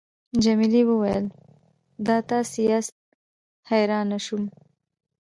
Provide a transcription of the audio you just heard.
جميلې وويل:: دا تاسي یاست، حیرانه شوم.